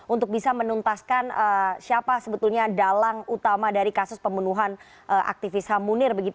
untuk bisa menuntaskan siapa sebetulnya dalang utama dari kasus pembunuhan aktivis ham munir